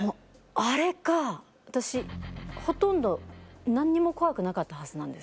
あれが私ほとんど何にも怖くなかったはずなんです。